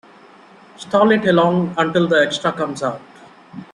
Stall it along until the extra comes out.